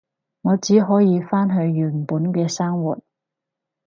我只可以返去原本嘅生活